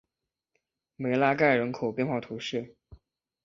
梅拉盖人口变化图示